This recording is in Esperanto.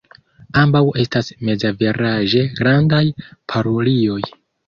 Ambaŭ estas mezaveraĝe grandaj parulioj.